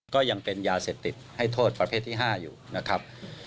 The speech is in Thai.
ก็ยังเป็นยาเสพติดให้โทษประเภทที่๕อยู่นะครับ